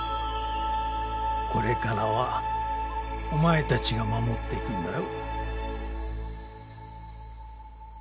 これからはお前たちが守っていくんだよ。